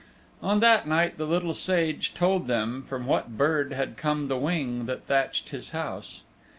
On that night the Little Sage told them from what bird had come the wing that thatched his house.